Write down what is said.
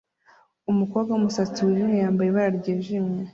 Umukobwa wumusatsi wijimye wambaye ibara ryijimye